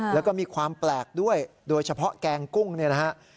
แล้วก็มีความแปลกด้วยโดยเฉพาะแกงกุ้งเนี่ยนะฮะ